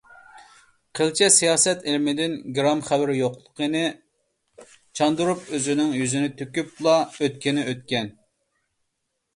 قىلچە سىياسەت ئىلمىدىن گىرام خەۋىرى يوقلۇقىنى چاندۇرۇپ ئۆزىنىڭ يۈزىنى تۆكۈپلا ئۆتكىنى ئۆتكەن.